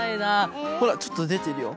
ほらちょっとでてるよ。